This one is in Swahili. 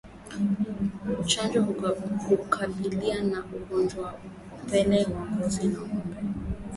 Chanjo hukabiliana na ugonjwa wa mapele ya ngozi kwa ngombe